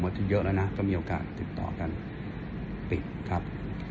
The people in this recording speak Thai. ที่เยอะแล้วนะก็มีโอกาสติดต่อกันติดครับ